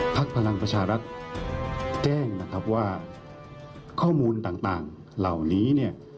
ภักดิ์พลังประชารัฐแจ้งว่าข้อมูลต่างเหล่านี้เนี่ย